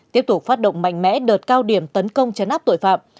tiếp tục phát động mạnh mẽ đợt cao điểm tấn công chấn áp tội phạm